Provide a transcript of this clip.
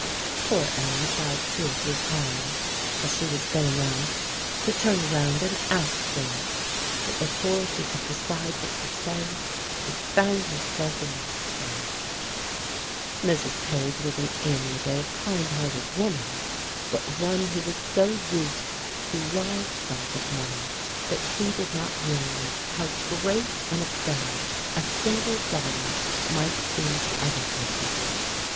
Poor Ellen tried two or three times, as she was going out, to turn round and ask for it; but before she could decide what to say, she found herself in the street. Mrs. Page was an amiable, kind hearted woman, but one who was so used to large sums of money that she did not realize how great an affair a single dollar might seem to other persons.